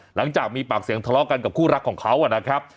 หลังจากมีปากเสียงทะเลาะกันกับคู่รักของเขานะครับ